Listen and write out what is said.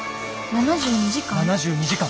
７２時間。